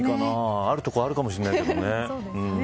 あるとこあるかもしれないけどね。